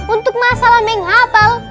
untuk masalah menghapal